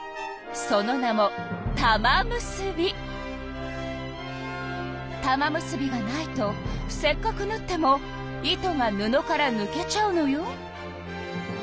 その名も玉結びがないとせっかくぬっても糸が布からぬけちゃうのよ。